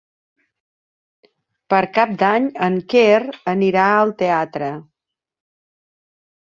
Per Cap d'Any en Quer anirà al teatre.